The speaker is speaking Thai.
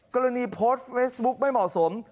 กรณีโพสต์เฟซบุ๊กไม่เหมาะสม